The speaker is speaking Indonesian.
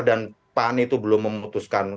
dan pan itu belum memutuskan